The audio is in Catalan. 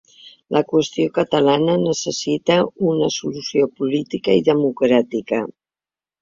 La qüestió catalana necessita una solució política i democràtica.